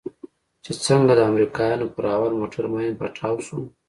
چې څنگه د امريکانو پر اول موټر ماين پټاو سو.